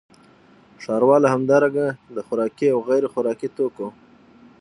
ښاروال همدارنګه د خوراکي او غیرخوراکي توکو